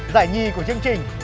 giải nhì của chương trình